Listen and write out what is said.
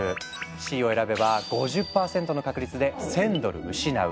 Ｃを選べば５０％の確率で１，０００ドル失う。